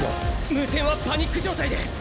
無線はパニック状態で。